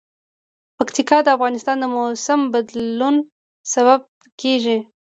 پکتیکا د افغانستان د موسم د بدلون سبب کېږي.